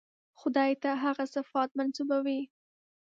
خدای ته هغه صفات منسوبوي.